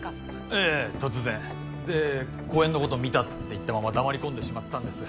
ええ突然で公園のこと見たって言ったまま黙り込んでしまったんです